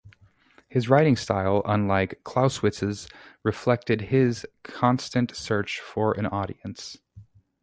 His writing style-unlike Clausewitz's-reflected his constant search for an audience.